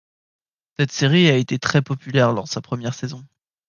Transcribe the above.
Cette série a été très populaire lors de sa première saison.